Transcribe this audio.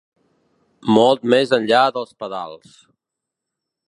Molt més enllà dels pedals.